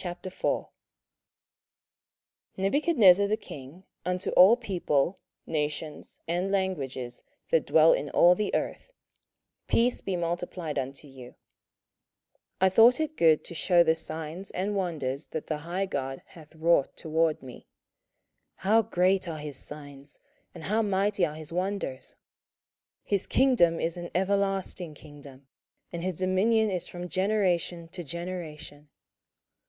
27:004:001 Nebuchadnezzar the king, unto all people, nations, and languages, that dwell in all the earth; Peace be multiplied unto you. 27:004:002 I thought it good to shew the signs and wonders that the high God hath wrought toward me. 27:004:003 How great are his signs! and how mighty are his wonders! his kingdom is an everlasting kingdom, and his dominion is from generation to generation.